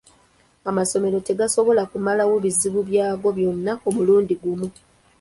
Amasomero tegasobola kumalawo bizibu byago byonna omulundi gumu.